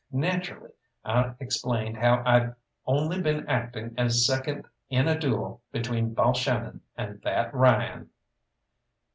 Naturally I explained how I'd only been acting as second in a duel between Balshannon and that Ryan.